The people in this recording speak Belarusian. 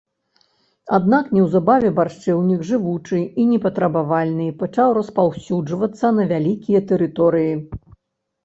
Аднак неўзабаве баршчэўнік, жывучы і непатрабавальны, пачаў распаўсюджвацца на вялікія тэрыторыі.